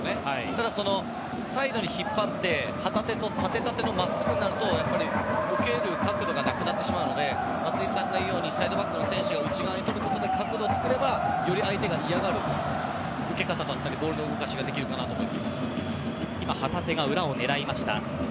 ただ、サイドに引っ張って旗手と縦、縦の真っすぐになると受ける角度がなくなってしまうので松井さんが言うようにサイドバックの選手を内側にとることで角度を作ればより相手が嫌がる受け方だったりボールの動かしができると思います。